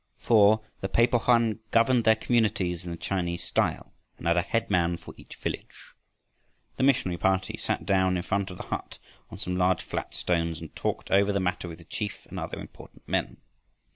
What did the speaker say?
For the Pepo hoan governed their communities in the Chinese style and had a headman for each village. The missionary party sat down in front of the hut on some large flat stones and talked over the matter with the chief and other important men.